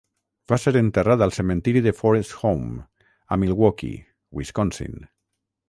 Va ser enterrat al cementiri de Forest Home, a Milwaukee (Wisconsin).